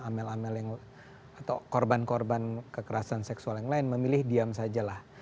amel amel yang atau korban korban kekerasan seksual yang lain memilih diam saja lah